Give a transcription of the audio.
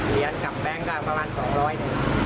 เหรียญกลับแบงก็ประมาณ๒๐๐บาท